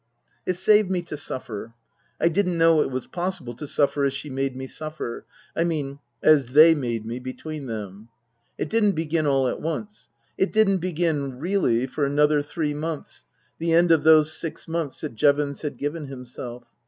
It saved me to suffer. I didn't know it was possible to suffer as she made me suffer I mean as they made me, between them. It didn't begin all at once. It didn't begin, really, for another three months, the end of those six months that Jevons had given himself.